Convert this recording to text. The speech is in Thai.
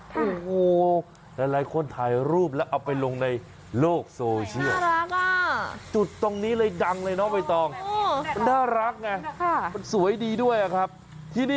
โอ้โหหลายคนถ่ายรูปแล้วเอาไปลงในโลกโซเชียล